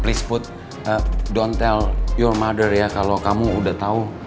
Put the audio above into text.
please put don't tell your mother ya kalau kamu udah tahu